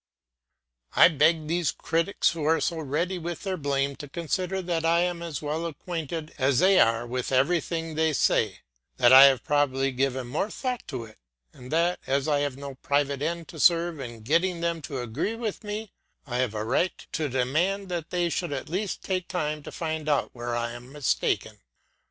I beg these critics who are so ready with their blame to consider that I am as well acquainted as they are with everything they say, that I have probably given more thought to it, and that, as I have no private end to serve in getting them to agree with me, I have a right to demand that they should at least take time to find out where I am mistaken.